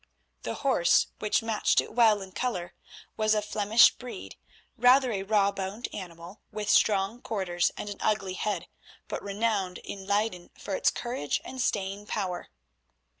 The horse, which matched it well in colour, was of Flemish breed; rather a raw boned animal, with strong quarters and an ugly head, but renowned in Leyden for its courage and staying power.